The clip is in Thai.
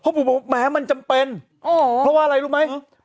พ่อปูบอกแหมมันจำเป็นอ๋อเพราะว่าอะไรรู้ไหมอืม